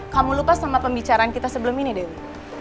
kamu lupa sama pembicaraan kita sebelum ini dewi